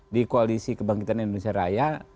di koalisi kebangkitan indonesia raya